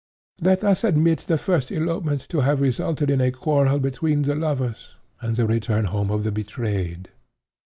Let us admit the first elopement to have resulted in a quarrel between the lovers, and the return home of the betrayed.